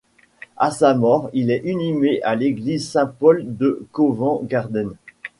À sa mort, il est inhumé à l'église Saint-Paul de Covent Garden.